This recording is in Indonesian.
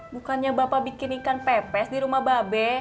bukannya bapak bikin ikan pepes di rumah babe